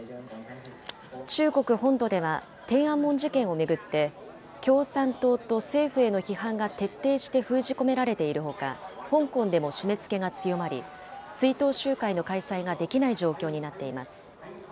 中国本土では、天安門事件を巡って、共産党と政府への批判が徹底して封じ込められているほか、香港でも締めつけが強まり、追悼集会の開催ができない状況になっています。